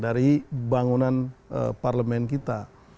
dari bangunan parlemen kita